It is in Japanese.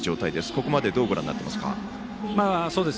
ここまでどうご覧になっていますか？